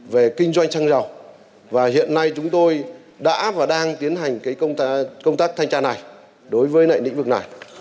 về kinh doanh xăng dầu và hiện nay chúng tôi đã và đang tiến hành công tác thanh tra này đối với lĩnh vực này